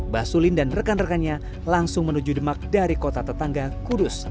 basulin dan rekan rekannya langsung menuju demak dari kota tetangga kudus